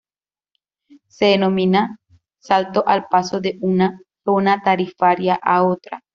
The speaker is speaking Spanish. Se denomina salto al paso de una zona tarifaria a otra.